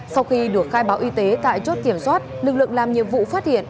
sau khi được khai báo y tế tại chốt kiểm soát lực lượng làm nhiệm vụ phát hiện